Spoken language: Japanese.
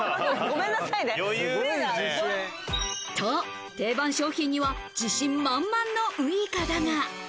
ごめんなさいね。と、定番商品には自信満々のウイカだが。